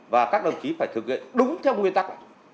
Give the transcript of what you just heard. và các đồng chí phải thực hiện đúng theo nguyên tắc